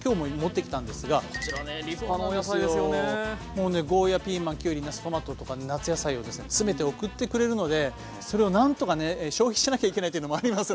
もうねゴーヤーピーマンきゅうりなすトマトとか夏野菜をですね詰めて送ってくれるのでそれを何とかね消費しなきゃいけないっていうのもありますので。